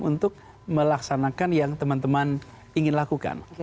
untuk melaksanakan yang teman teman ingin lakukan